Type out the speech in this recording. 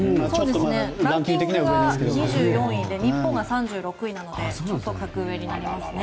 ランキングが２４位で日本が３６位なので格上になりますね。